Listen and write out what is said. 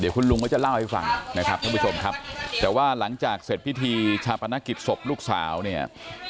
คุณลุงก็จะเล่าให้ฟังนะครับท่านผู้ชมครับแต่ว่าหลังจากเสร็จพิธีชาปนกิจศพลูกสาวเนี่ย